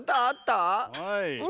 はい。